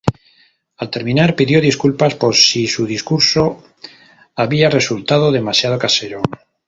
Al terminar, pidió disculpas por si su discurso había resultado demasiado casero.